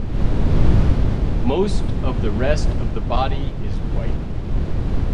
Most of the rest of the body is white.